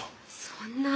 そんな。